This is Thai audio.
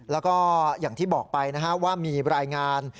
แล้วก็อย่างที่บอกไปนะฮะว่ามีรายงาน